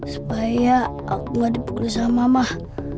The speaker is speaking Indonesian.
supaya aku gak dipukul sama mama